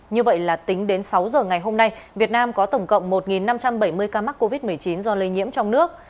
như vậy là tính đến sáu giờ ngày hôm nay việt nam có tổng cộng một năm trăm bảy mươi ca mắc covid một mươi chín do lây nhiễm trong nước